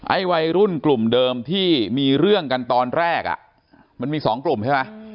วัยรุ่นกลุ่มเดิมที่มีเรื่องกันตอนแรกอ่ะมันมีสองกลุ่มใช่ไหม